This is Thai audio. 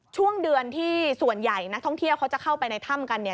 ช่วงเดือนที่ส่วนใหญ่นักท่องเที่ยวเขาจะเข้าไปในถ้ำกันเนี่ย